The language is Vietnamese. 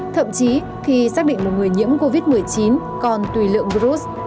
thậm chí khi xác định một người nhiễm covid một mươi chín còn tùy lượng virus